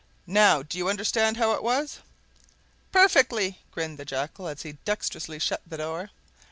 Now do you understand how it was?" "Perfectly!" grinned the Jackal, as he dexterously shut the door.